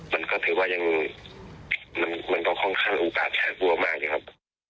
มันก็ถือว่ายังมันก็ค่อนข้างโอกาสน่ากลัวมากนะครับ